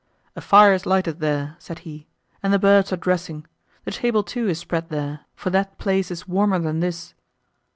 "A fire is lighted there," said he, "and the birds are dressing; the table too is spread there, for that place is warmer than this."